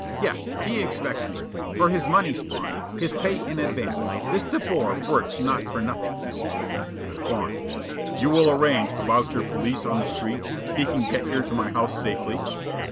Yes, he expects me. For his money, Spawn, his pay in advance. This De Boer works not for nothing." Spawn: "You will arrange about your police on the streets? He can get here to my house safely?"